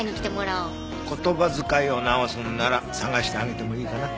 言葉遣いを直すんなら捜してあげてもいいかな。